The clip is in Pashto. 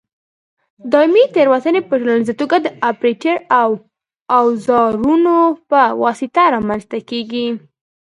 دایمي تېروتنې په ټولیزه توګه د اپرېټر او اوزارونو په واسطه رامنځته کېږي.